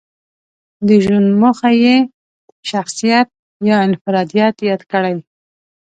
د ژوند موخه یې شخصيت يا انفراديت ياد کړی.